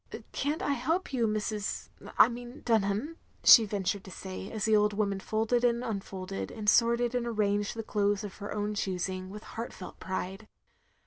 "Can't I help you, Mrs. — I mean Dimham," she ventured to say, as the old woman folded and unfolded, and sorted and arranged the clothes of her own choosing, with heartfelt pride.